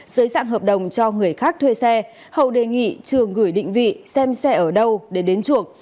dưới dạng hợp đồng cho người khác thuê xe hậu đề nghị trường gửi định vị xem xe ở đâu để đến chuộc